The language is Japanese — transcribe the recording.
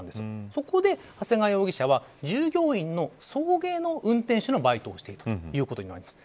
そこで、長谷川容疑者は従業員の送迎の運転手のバイトをしていたということになります。